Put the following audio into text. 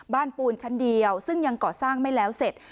ปูนชั้นเดียวซึ่งยังก่อสร้างไม่แล้วเสร็จ